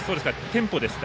テンポですか。